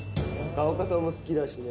中岡さんも好きだしね。